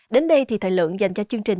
đến đây thì thời lượng dành cho chương trình